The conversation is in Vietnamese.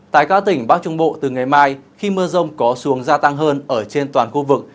tại các tỉnh bắc trung bộ từ ngày mai khi mưa rông có xuống gia tăng hơn ở trên toàn khu vực